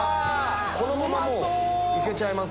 このままもういけちゃいます。